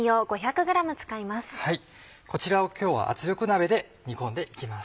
こちらを今日は圧力鍋で煮込んで行きます。